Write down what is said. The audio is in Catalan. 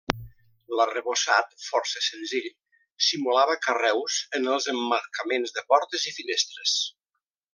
L'arrebossat, força senzill, simulava carreus en els emmarcaments de portes i finestres.